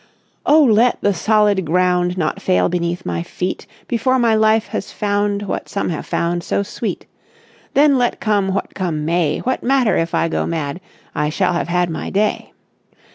"Oh let the solid ground Not fail beneath my feet Before my life has found What some have found so sweet; Then let come what come may, What matter if I go mad, I shall have had my day.